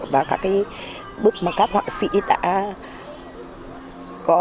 và các bức mà các họa sĩ đã có